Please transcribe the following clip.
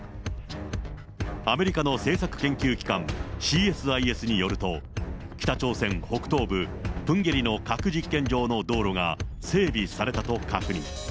アメリカの政策研究機関、ＣＳＩＳによると、北朝鮮北東部プンゲリの核実験場の道路が整備されたと確認。